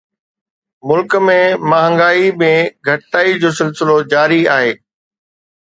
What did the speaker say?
ملڪ ۾ مهانگائي ۾ گهٽتائي جو سلسلو جاري آهي